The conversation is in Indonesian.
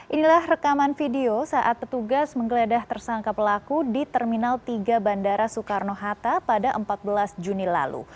inilah rekaman video saat petugas menggeledah tersangka pelaku di terminal tiga bandara soekarno hatta pada empat belas juni lalu